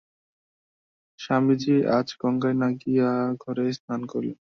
স্বামীজী আজ গঙ্গায় না গিয়া ঘরেই স্নান করিলেন।